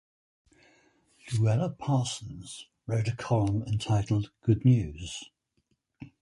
Louella Parsons wrote a column entitled Good News.